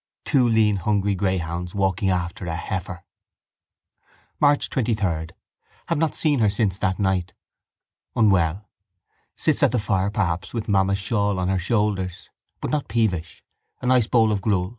Two lean hungry greyhounds walking after a heifer. March 23. Have not seen her since that night. Unwell? Sits at the fire perhaps with mamma's shawl on her shoulders. But not peevish. A nice bowl of gruel?